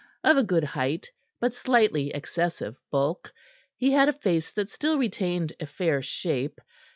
Of a good height, but slightly excessive bulk, he had a face that still retained a fair shape.